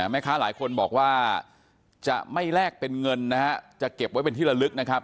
แม่ค้าหลายคนบอกว่าจะไม่แลกเป็นเงินนะฮะจะเก็บไว้เป็นที่ละลึกนะครับ